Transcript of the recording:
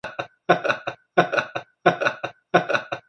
It is his fourteenth studio album.